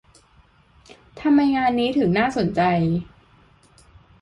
ทำไมงานนี้ถึงน่าสนใจ